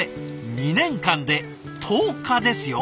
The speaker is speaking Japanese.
２年間で１０日ですよ！